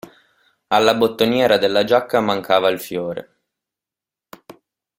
Alla bottoniera della giacca mancava il fiore.